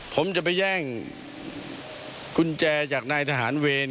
ผมจะไปแย่งกุญแจจากนายทหารเวร